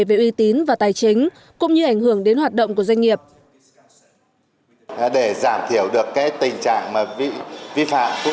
về uy tín và tài chính cũng như ảnh hưởng đến hoạt động của doanh nghiệp